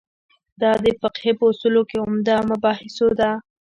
دا د فقهې په اصولو کې عمده مباحثو ده.